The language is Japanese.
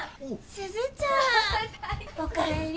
スズちゃん！お帰り。